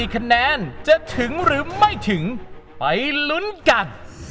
คะแนนจะถึงหรือไม่ถึงไปลุ้นกัน